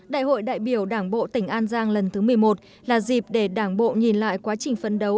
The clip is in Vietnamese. đại hội đại biểu đảng bộ tỉnh an giang lần thứ một mươi một là dịp để đảng bộ nhìn lại quá trình phấn đấu